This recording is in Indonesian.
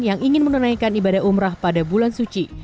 yang ingin menunaikan ibadah umrah pada bulan suci